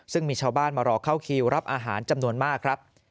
ซึ่งมีชาวบ้านมารอเข้าคิวรับอาหารจำนวนมากครับ